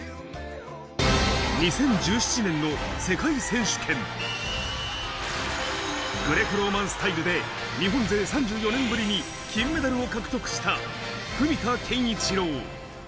２０１７年の世界選手権、グレコローマンスタイルで日本勢３４年ぶりに金メダルを獲得した文田健一郎。